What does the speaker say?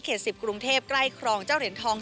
๑๐กรุงเทพใกล้ครองเจ้าเหรียญทอง